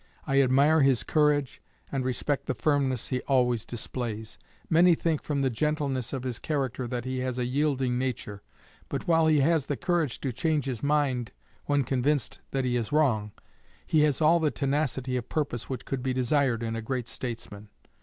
I admire his courage, and respect the firmness he always displays. Many think from the gentleness of his character that he has a yielding nature; but while he has the courage to change his mind when convinced that he is wrong, he has all the tenacity of purpose which could be desired in a great statesman.